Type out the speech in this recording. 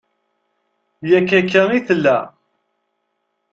Yak akka i tella.